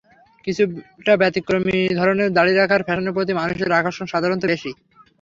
কিছুটা ব্যতিক্রমী ধরনের দাড়ি রাখার ফ্যাশনের প্রতিই মানুষের আকর্ষণ সাধারণত বেশি।